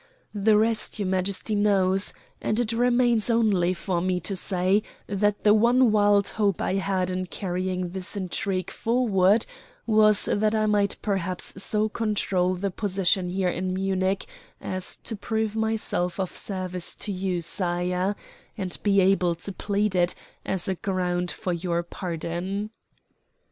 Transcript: The rest your Majesty knows, and it remains only for me to say that the one wild hope I had in carrying the intrigue forward was that I might perhaps so control the position here in Munich as to prove myself of service to you, sire, and be able to plead it as a ground for your pardon."